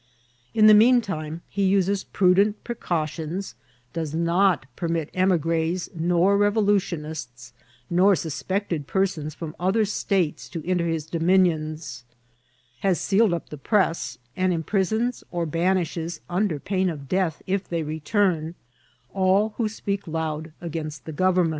In the mean time, he uses prudent precautions : does not permit emigres, nor revolutionists, nor suspected persons from other states to enter his dominions; has sealed up the press, and imprisons or banishes, under pain of death if they return, all who speak loud against the government.